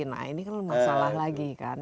nah ini kan masalah lagi kan